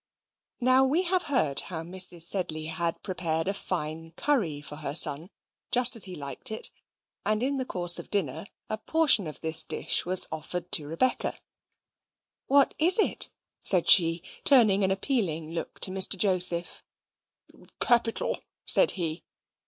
Now we have heard how Mrs. Sedley had prepared a fine curry for her son, just as he liked it, and in the course of dinner a portion of this dish was offered to Rebecca. "What is it?" said she, turning an appealing look to Mr. Joseph. "Capital," said he.